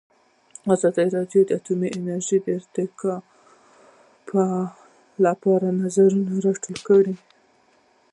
ازادي راډیو د اټومي انرژي د ارتقا لپاره نظرونه راټول کړي.